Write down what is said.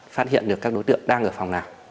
phát hiện được các đối tượng đang ở phòng nào